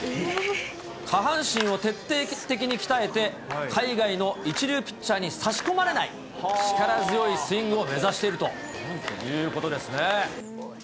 下半身を徹底的に鍛えて、海外の一流ピッチャーに差し込まれない力強いスイングを目指しているということですね。